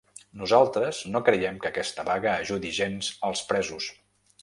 Nosaltres no creiem que aquesta vaga ajudi gens els presos.